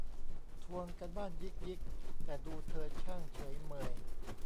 ทวงการบ้านยิกยิก แต่ดูเธอช่างเฉยเมย